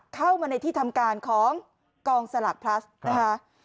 เข้ามาในที่ทำการของกองสลากพลัสนะคะ